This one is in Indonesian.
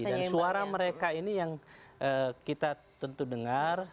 dan suara mereka ini yang kita tentu dengar